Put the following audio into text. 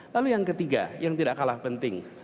lalu yang ketiga yang tidak kalah penting